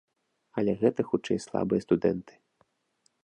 Але гэта, хутчэй, слабыя студэнты.